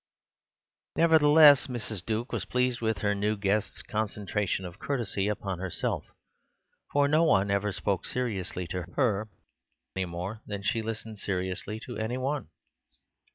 Nevertheless, Mrs. Duke was pleased with her new guest's concentration of courtesy upon herself; for no one ever spoke seriously to her any more than she listened seriously to any one.